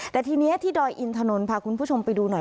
แต่ทีนี้ที่ดอยอินถนนพาคุณผู้ชมไปดูหน่อย